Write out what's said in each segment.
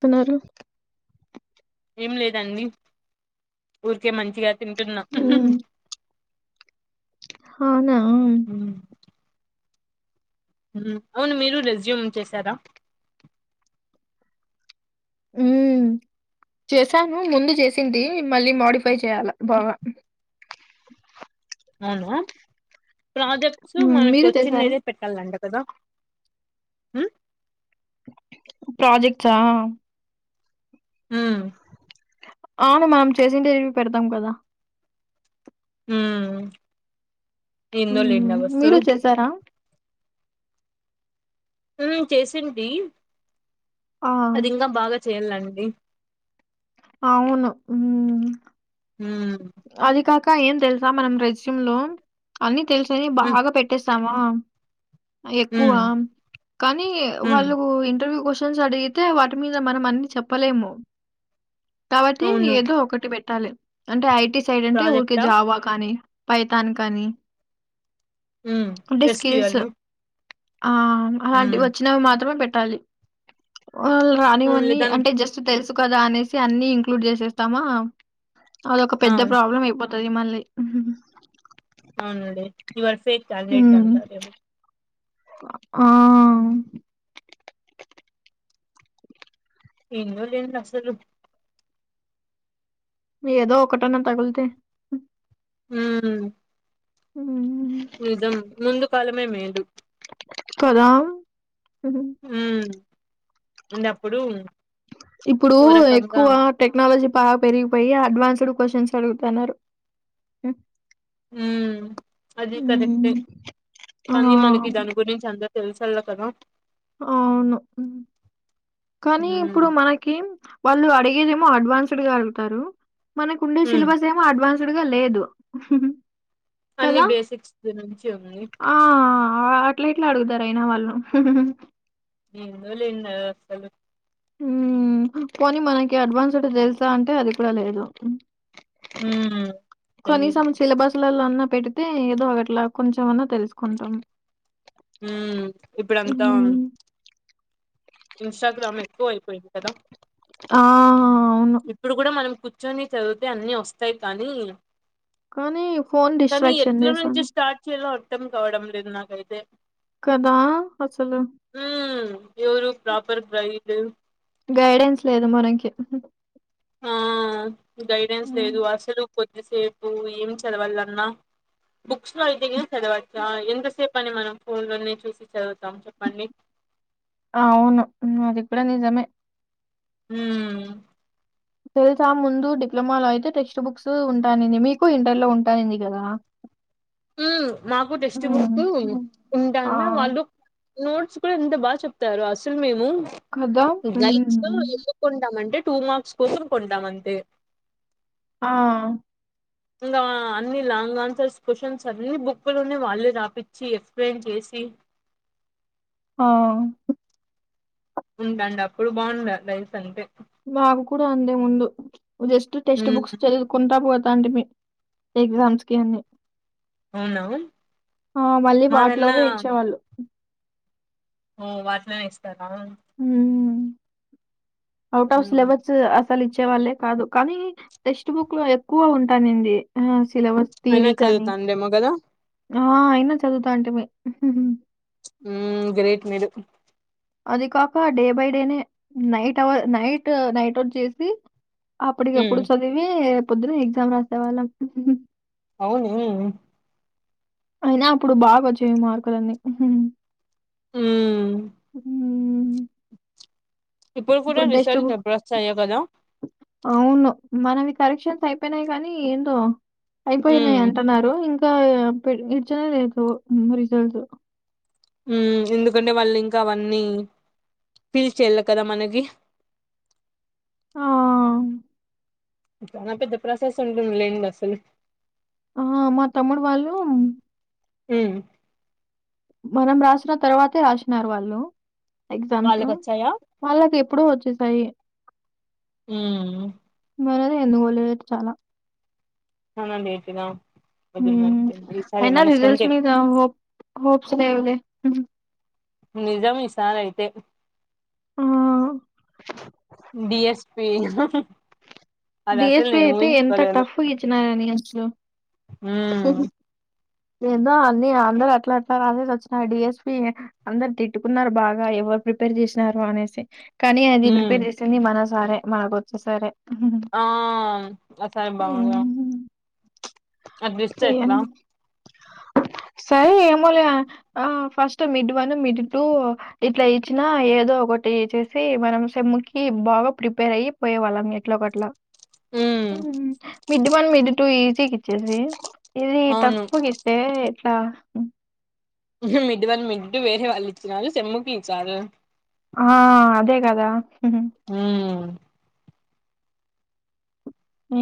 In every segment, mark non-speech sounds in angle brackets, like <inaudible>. తిన్నారా ఏం లేదండి. ఊరికే మంచిగా తింటున్నా. హ్మ్ అవునా మ్ మ్ అవును మీరు రెజ్యూమ్ చేశారా మ్ చేసాను ముందు చేసింటి, మళ్ళీ మోడిఫై చేయాల బాగా అవునా ప్రాజెక్ట్స్ హ్మ్. మనకు మీరు చేశారా? వచ్చిండేదే పెట్టళ్లంట. కదా మ్ ప్రాజెక్ట్స్ ఆ మ్ అవును మనం చేసిండేవి పెడతాం కదా. మ్ కిందోల్ హ్మ్. మీరు ఎండకొస్తారు చేశారా? మ్ చేసింది ఆ! అది ఇంకా బాగా చేయల్లండి. అవును మ్ మ్ ఇంకా ఏం తెలుసా మనం రెస్యూమ్ లో అన్ని తెలుసని ఉమ్, బాగా పెట్టేస్తామా ఎక్కువ ఉమ్, కానీ ఉమ్. వాళ్ ఇంటర్వ్యూ కొచ్చి కొంచం అడిగితే వాటి మీద మనం అన్ని చెప్పలేము కాబట్టి అవును ఏదో ఒకటి పెట్ ట్టాలి అంటే ఐటి సైడ్ అంటే ఊరికి ప్రాజెక్టా జావా కానీ పైతాన్ కానీ అంటే స్కిల్స్ ఎస్క్యూఎల్ ఆ అలాంటివి వచ్చినవి మాత్రమే పెట్టాలి ఒకవేళ అవునులే రానివన్నీ దాని అంటే జస్ట్ తెలుసు కదా అనేసి అన్ని ఇంక్లూడ్ చేసేస్తామా అద ఒక ఆ పెద్ద ప్రాబ్లం అయిపో తది మళ్ళీ అవునండి యువర్ ఫేక్ కాండిడేట్ హ్మ్. అంతర్ ఏమో ఆ ఉ ఏందో లేండి అసలు ఏదో ఒకటన్న తగిలితే ఉమ్ హ్మ్. నిజం ముందు కాలమే మేలు కదా హ్మ్. ఉ అండ్ అప్పుడు ఇప్పుడు ఎక్కువ టెక్నాలజీ బాగా పెరిగిపోయి అడ్వాన్స్డ్ క్యూస్షన్స్ అడుగుతున్నారు ఉ ఉ అది కరెక్టే హ్మ్. కానీ ఆ! మనకి దాని గురించి అం తెలుసాలా కదా అవును కానీ ఇప్పుడు ఉమ్ మనకేం వాళ్ళు అడిగేదేమో అడ్వాన్స్డ్ గా అడుగుతారు మనకు ఉండే ఉమ్ సిలబస్ ఏమో అడ్వాన్స్ డుగా లేదు అన్ని కదా! బేసిక్స్ గురించి ఉంది ఆ అట్లా ఎట్లా అడుగుతారు అయినా వాళ్ళు ఏందో లేండి అది అసలు ఊ పోనీ మనకి అడ్వాన్స్డ్ తెలుసా అంటే అది కూడా లేదు ఉమ్ తెలీదు కనీసం సిలేబస్ లల్లో అన్నా పెడితే ఏదో అట్లా కొంచెంమన్నా తెలుసుకుంటాం ఉ ఇప్పుడంతా హ్మ్. ఇన్స్టాగ్రామ్ ఎక్కువ అయిపోయింది కదా ఆ అవును కూర్చుని చదివితే అన్ని వస్తాయి కానీ కానీ ఫోను కానీ డిస్ట్రాక్షన్ ఎట్లా నుంచి చేస్తాంది. స్టార్ట్ చేయలో అర్థం కావడం లేదు నాకైతే కదా! అసలు ఉ ఎవరు గైడు గైడెన్స్ లేదు మనకి ఆ గైడెన్స్ హ్మ్. లేదు అసలు కోద్ ఎంతసేపు ఏం చదవాలన్నా బుక్స్ లో అయితే చదవచ్చా ఎంతసేపు మనే మనం ఫోన్లోనే చూసి చదువు అవును ఉ అది కూడా నిజమే ఊ తెలుసా ముందు డిప్లొమాలో అయితే టెక్స్ట్ బుక్స్ ఉంటానంది మీకు ఇంటర్ లో ఉంటానంది కదా ఉ మాకు టెక్స్ట్ బుక్ ఆ! ఉంటాన్న వాళ్ళు నోట్స్ కూడా ఎంత బాగా చెప్తారు అసలు మేము కదా! గైట్స్ లో హ్మ్. ఎందుకు కొంటామంటే టూ మార్స్ కోసం కొంటాం అంతే ఆ ఇంగ అన్ని లాంగ్ ఆన్సర్స్ క్వశ్చన్స్ అన్ని బుక్ లోనే వాళ్ళే రాపిచ్చి ఎక్స్ప్లెయిన్ చేసి చే <unintelligible> ఆ ఉందండి అప్పుడు బాగుండ లైఫ్ అంటే మా కూడా అందే ముందు జస్ట్ టెస్ట్ ఉమ్ బుక్స్ చదువుకుంటా పో టి మీ ఎగ్జామ్స్ కి అని అవునా ఆ మళ్ళీ మాదన్నా వాటిలోవే ఇచ్చేవాళ్ళు ఆ వాటిలోనే ఇస్తారా ఆవుట్ ఆఫ్ మ్మ్ సిలబస్ లు ఇచ్చే వాళ్ళ కాదు కానీ టెక్స్ట్ బుక్ లో ఎక్కువ ఉంటానింది సిలబస్ అయినా తీరి కానీ చదువుతాండేమో కదా ఆ అయినా చదువుతా అంటి మి ఉం గ్రేట్ మీరు అది కాక డే బై డేనే night hour night night out చేసి అప్పటికి మ్మ్ కప్పుడు చదివి పొద్దున ఎగ్జామ్ రాసేవాళ్ళం అవునే అయినా అప్పుడు బాగ వచ్చేయి మార్కులన్నీ ఉం ఉం ఇప్పుడు కూడా ష్ట రిజల్ట్స్ ఎప్పుడు వస్తాయో కదా అవును మనవి కరెక్షన్స్ అయిపోయినాయి గానీ ఏందో అయిపోయినాయి మ్మ్ అంటున్నారు ఇంకా ఇచ్చన <unintelligible> రిజల్ ఉం ఎందుకంటే వాళ్ళు ఇంకా అవన్నీ పీల్ చేయాల కదా మనకి ఆ చాలా పెద్ద ప్రాసెస్ ఉంటుంది లేండి అసలు ఆ మా తమ్ముడూ వాళ్ళు ఉం మనం రాసిన తర్వాతే రాసినారు వాళ్ళు ఎగ్జామ్స్ వాళ్ళకి వచ్చాయా వాళ్ళకి ఎప్పుడో వచ్చేసాయి ఉం మనద ఎందుకోలే చాలా <unintelligible> చం అతరా హ్మ్ అ ఈసారి అయినా మనసుంత రిజల్ట్స్ మీద <unintelligible> హోప్ హోప్స్ లేవులే నిజమే ఇసారి అయితే ఆ డిఎస్పి అది అసలు డిఎస్పి నేను అయితే ఎంత ఊహించుకోలేను టఫ్ గ ఇచ్చినారని అసలు మ్మ్ ఏదో అన్ని అందరు అట్లా అట్లా రాసేసి వచ్చిన డిఎస్పి అందరు తిట్టుకున్నారు బాగా ఎవరు ఎవరు ప్రిపేర్ చేసినారు అనేసి కానీ అది మ్మ్ ప్రిపేర్ చేసింది మన సరే మనకు వచ్చేసరే ఆ అసయం బాగుంగా <unintelligible> హ్మ్ అట్ట ఇస్తే ఎట్లా సరే మామూలుగా first mid one mid two ఇట్లా ఇచ్చినా ఏదో ఒకటి చ్ మనం సేమ్ముకి బాగా ప్రిపేర్ అయి పోయే వాళ్ళం ఎట్లో కట్లా ఉమ్ ఉం మిడ్ వన్ మిడ్ టూ ఈజీగా ఇచ్చెసి అవును అంటే ఎట్లా మిడ్ వన్ మిడ్ టూ వేరే వాళ్ళు వచ్చినారు సెమ్ కి ఈ సారు ఆ అదే కదా హ్మ్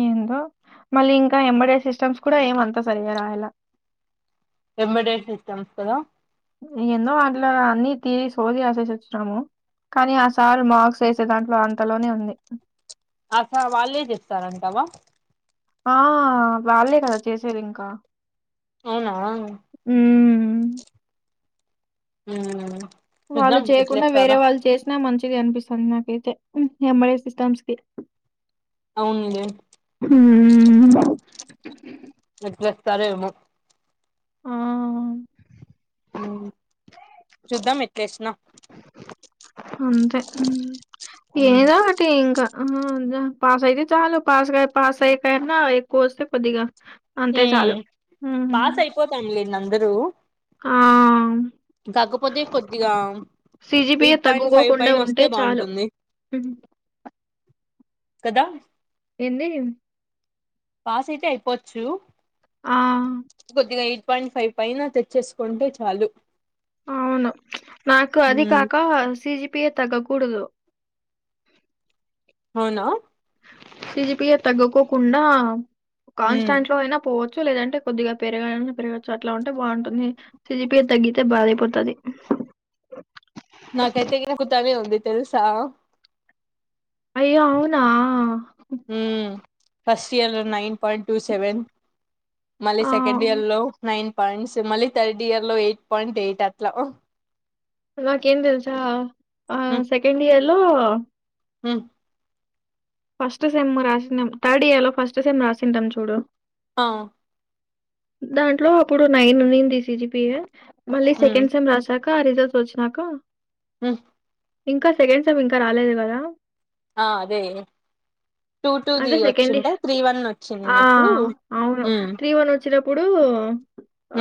ఏందో మళ్ళీ ఇంకా ఎంబడే సిస్టమ్స్ కూడా ఏమంతా సరిగా రాయలా ఎబడేస్ ఎగ్జామ్స్ కదా ఏందో దాంట్లో అన్ని థియరీ సోది రాసి వచ్చినాము కానీ ఆ సార్ మార్క్స్ వేసే దాంట్లో అంతలోనే ఉంది అసలు వాళ్ళే చేస్తారంటావా ఆ వాళ్లే కదా చేసేది ఇంకా అవునా హ్మ్ ఉమ్ వాళ్ళు చూద్దాం చేయకుండా ఎట్లేస్తారో వేరే వాళ్ళు చేసినా మంచిది అనిపిస్తుంది నాకైతే ఎంబడే సిస్టమ్స్ కి అవున్లే సరే ఉమ ఆ చూద్దాం ఎట్లా ఏసినా అంతే ఉమ్ ఏదో ఒకటి ఇంకా ఆ పాస్ అయితే చాలు పాస్ కా పాస్ అయి కన్నా ఎక్కువ వస్తే కొద్దిగా అంతే హ్మ్ చాలు. హుహు. పాస్ అయిపోతాం లేండి అందరూ ఆ కాకపోతే కొద్దిగా సీజీపిఏ ఎయిట్ పాయింట్ ఫైవ్ తగ్గకోకుండా పైన ఉంటే వస్తే చాలు బాగుంటుంది కదా ఏంది పాస్ అయితే అయిపోవచ్చు ఆ! కొద్దిగా పాయింట్ ఫైవ్ పైన తెచ్చేసుకుంటే చాలు అవును నాకు అది ఉమ్ కాక సీజి సీజీపిఏ తగ్గకూడదు అవునా సీజిపిఏ తగ్గకోకుండా ఉమ్ కాన్స్టాంట్ లో అయినా పో లేదంటే కొద్దిగా పెరగా పెరగచ్చు అట్లా ఉంటే బాగుంటుంది సిజిపిఏ తగ్గితే బాధయిపోతుంది <inaudible> నాకైతే తిరుగుతనే ఉంది తెలుసా అయ్యో అవునా ఫస్ట్ ఇయర్లో నైన్ పాయింట్ టూ సెవెన్ మళ్ళీ సెకండ్ ఆ! ఇయర్ లో నైన్ పాయింట్స్ మళ్ళీ థర్డ్ ఇయర్ లో ఎయిట్ పాయింట్ ఎయిట్ అట్లా నాకేం తెల్సా ఆ సెకండ్ ఇయర్ లో మ్ ఫస్ట్ సెమ్ రాసినాం థర్డ్ ఇయర్ లో ఫస్ట్ సెమ్ రాసింటాం చూడు ఆ దాంట్లో అప్పుడు నైన్ ఉంది సిజిపిఏ మళ్ళీ ఉమ్ సెకండ్ సెమ్ రాసాక క రిజల్స్ వచ్చినాక మ్ ఇంకా సెకండ్ సేమ్ ఇంకా రాలేదు కదా ఆ అదే టూ టూ ది అంటే సెకండ్ వచ్చింటే త్రీ వన్ ఆ వచ్చినప్పుడు మ్ ఇప్పుడు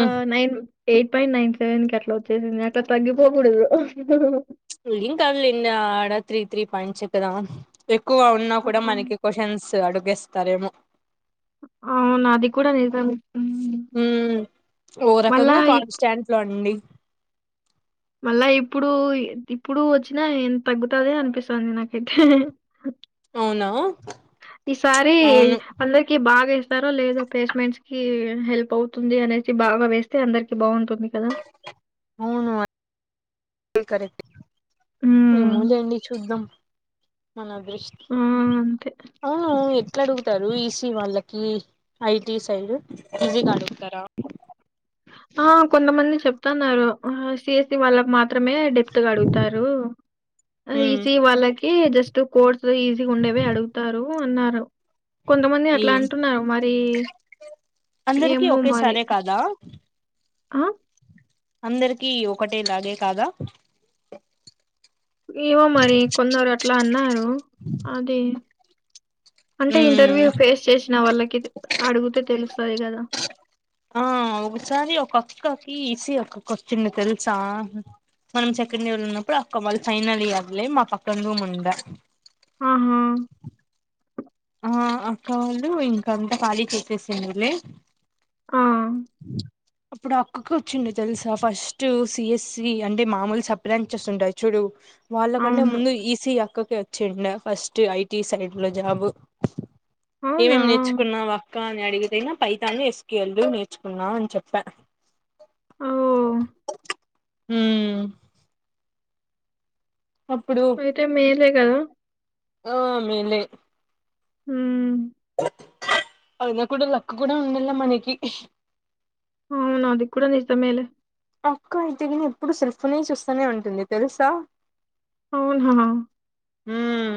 ఆ nine eight point nine seven కి అట్లా వచ్చేసింది అట్లా తగ్గిపోకూడదు ఇం కాదులే ఇంగ ఆడ త్రీ త్రీ పయిం చేప్పదా ఎక్కువ ఉన్నా ఆ కూడా మనకి క్వశ్చన్స్ అడుగేస్తారేమో అవును అది కూడా నిజం మ్ ఉమ్ ఓ రకంగా కాన్స్టాంట్ లో అండి మళ్ళా ఇప్పుడు ఇప్పుడు వచ్చినా ఎంత తగ్గుతంది అనిపిస్తది నాకైతే అవున ఈసారి అందరికి బాగా ఇస్తారో లేదో ప్లేస్మెంట్స్ కి హెల్ప్ అవుతుంది అనేసి బాగ వేస్తే అందరికి బాగుంటుంది కదా అవును అది కర్రెక్టే ఏమొ హ్మ్. లేండి చూద్దాం మనదృష్ట ఆ! అంతే. అ ఆ ఎట్లా అడుగుతారు ఇష్ కి వాళ్ళకి ఐటి సైడ్ ఈజీ గ అడుగుతారా ఆ కొంతమంది చెప్తున్నారు సిఎస్సి వాళ్ళకు మాత్ త్రమే డెప్త్ అడుగుతారు ఆ ఉమ్ ఈసి వాళ్ళకి జస్ట్ కోర్స్ ఈజీ ఉండేవి అడుగుతారు అన్నారు కొంతమంది ఈ అట్లా అంటున్నారు మరి అందరికి ఏమో ఒకే మరి. సారే కాదా ఆ అందరికి ఒకటే లాగే కాదా ఏమో మరి కొందరట్లా అన్నారు అది అంటే ఉమ్ ఇంటర్వ్యూ ఫేస్ చేసిన వాళ్ళకి అడుగితే తెలుస్తది కదా ఆ ఒకసారి ఒక అక్కకి ఇసి అక్కకి వచ్చింది తెలుస మనం సెకండ్ ఇయర్ లో ఉన్నప్పుడు అక్క వాళ్ళు ఫైనల్ ఇయర్లే మా పక్కన రూమ్ ఉందా ఆహా ఆ అక్క వాళ్ళు ఇంకంతా ఖాళీ చెసేసిళ్ళు లే అ అప్పుడు అక్కకి వచ్చుండే తెలుసా ఫస్ట్ సిఎస్సి అంటే మామూలు సబ్ బ్రాంచెస్ ఉంటాయి చూడు వాళ్ళకంటే అవును ముందు ఈసీ అక్కకి వచ్చుండే ఫస్ట్ ఐటీ సైడ్ లో జాబు అవునా ఏమేం నేర్చుకున్నావ్ అక్క అని అడిగితేనా పైతాన్ ఎస్ పిల్ నేర్ చ్చుకున్నావ్ అని చెప్ప ఆ మ్ అయితే మేలే కదా ఆ మేలే మ్ అయినా కూడా లక్ కూడా ఉండలా మనకి అవును అది కూడా నిజామే లే అక్క అయితే నేమి ఎప్పుడు సెల్ ఫోనే చూస్తానే ఉంటుంది తెలుసా అవునా ఉమ్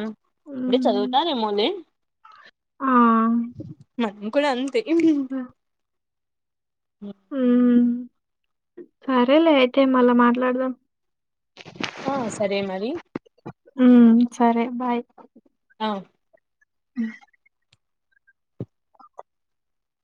అంటే ఉమ్, చదువుతాదేమోలే ఆ, మనం కూడా అంతే ఉమ్ సరేలే అయితే మళ్ళా మాట్లాడదాం ఆ సరే మరి ఉమ్ సరే బాయ్ అ ఉ